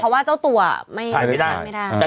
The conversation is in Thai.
เพราะว่าเจ้าตัวไม่ได้